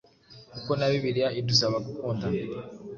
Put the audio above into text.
kuko na Bibiliya idusaba gukundana